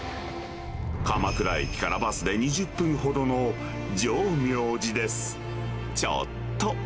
鎌倉駅からバスで２０分ほどの浄妙寺です。